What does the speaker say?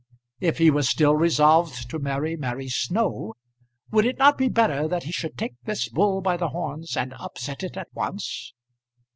If he was still resolved to marry Mary Snow, would it not be better that he should take this bull by the horns and upset it at once?